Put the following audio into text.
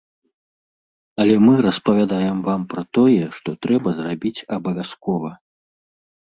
Але мы распавядзем вам пра тое, што трэба зрабіць абавязкова.